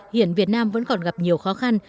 hiện việt nam vẫn còn gặp nhiều khó khăn